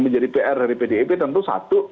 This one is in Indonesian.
menjadi pr dari pdip tentu satu